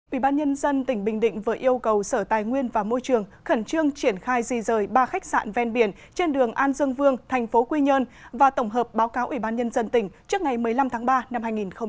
ủy ban nhân dân tỉnh bình định vừa yêu cầu sở tài nguyên và môi trường khẩn trương triển khai di rời ba khách sạn ven biển trên đường an dương vương thành phố quy nhơn và tổng hợp báo cáo ủy ban nhân dân tỉnh trước ngày một mươi năm tháng ba năm hai nghìn hai mươi